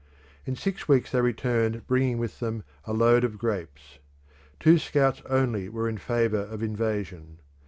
In six weeks they returned bringing with them a load of grapes. Two scouts only were in favour of invasion.